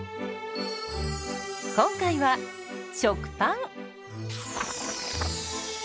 今回は食パン。